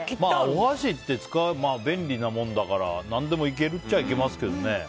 お箸って便利なものだから何でもいけるっちゃいけますが。